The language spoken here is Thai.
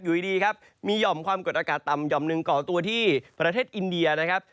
อยู่ดีครับมีหย่อมความกดอากาศต่ำหย่อมหนึ่งก่อตัวที่ประเทศอินเดียนะครับ